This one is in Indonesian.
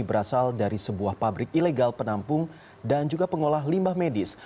berasal dari sebuah pabrik ilegal penampung dan juga pengolah limbah medis